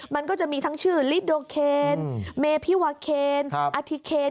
มันก็จะมีทั้งชื่อลิโดเคนเมพิวาเคนอทิเคน